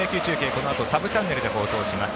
このあとサブチャンネルで放送します。